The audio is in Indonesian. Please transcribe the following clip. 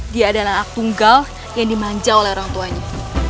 dia adalah anak tunggal yang dimanja oleh orang tuanya